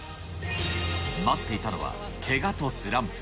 待っていたのはけがとスランプ。